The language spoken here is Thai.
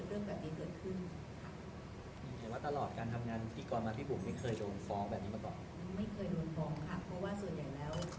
หรือที่ไม่ว่าทีมงานรายการไหน